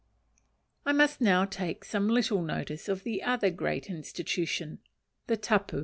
I must now take some little notice of the other great institution, the tapu.